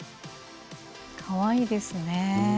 かわいいですね。